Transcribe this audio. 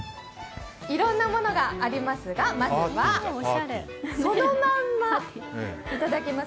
いろんなものがありますが、まずはそのまんま頂きます。